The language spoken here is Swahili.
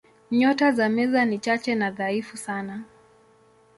Nyota za Meza ni chache na dhaifu sana.